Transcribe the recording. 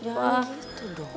jangan gitu dong